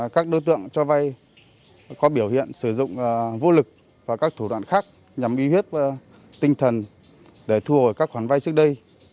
các đối tượng cho vay có biểu hiện sử dụng vô lực và các thủ đoạn khác nhằm uy hiếp tinh thần để thu hồi các khoản vay trước đây